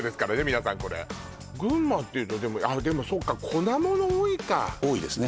皆さんこれ群馬っていうとでもそっか粉もの多いか多いですね